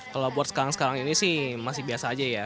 kalau buat sekarang sekarang ini sih masih biasa aja ya